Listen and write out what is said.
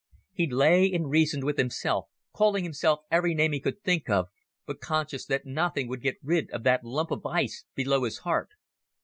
He lay and reasoned with himself, calling himself every name he could think of, but conscious that nothing would get rid of that lump of ice below his heart.